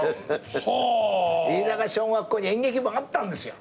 飯坂小学校に演劇部あったんですよ。